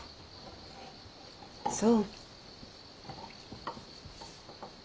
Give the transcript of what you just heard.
そう。